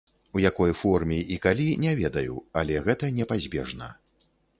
У якой форме і калі, не ведаю, але гэта непазбежна.